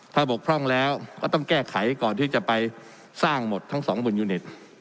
ถ้าบกพร่องแล้วก็ต้องแก้ไขก่อนที่จะไปสร้างหมดทั้งสองหมื่นยูนิต